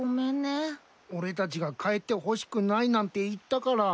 俺たちが帰ってほしくないなんて言ったから。